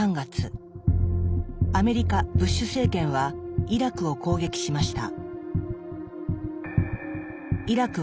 アメリカ・ブッシュ政権はイラクを攻撃しました。